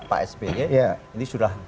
pak sby ini sudah